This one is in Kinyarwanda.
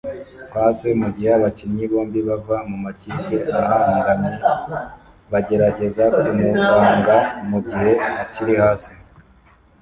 pas mugihe abakinnyi bombi bava mumakipe ahanganye bagerageza kumuranga mugihe akiri hasi